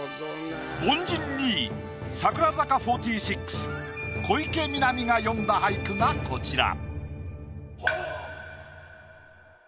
凡人２位櫻坂４６小池美波が詠んだ俳句がこちら。